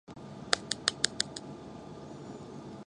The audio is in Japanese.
猫